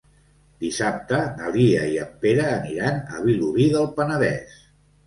Dissabte na Lia i en Pere aniran a Vilobí del Penedès.